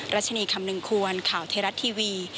รัชนีคำนึงควรข่าวไทยรัฐทีวี